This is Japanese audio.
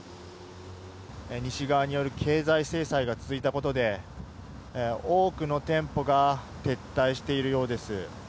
西側による経済制裁が続いたことで多くの店舗が撤退しているようです。